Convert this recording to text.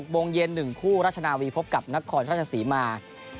โมงเย็น๑คู่ราชนาวีพบกับนครราชศรีมา